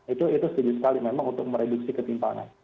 itu setuju sekali memang untuk mereduksi ketimpangan